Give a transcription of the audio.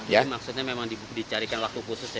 jadi maksudnya memang dicarikan waktu khusus ya